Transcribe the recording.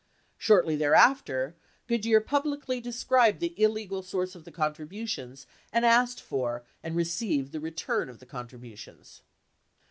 Shortly thereafter, Goodyear publicly de scribed the illegal source of the contributions and asked for and re ceived the return of the contributions.